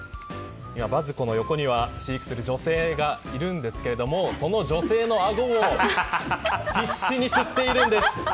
バズ子の横には、飼育する女性がいるんですがその女性のあごを必死に吸っているんです。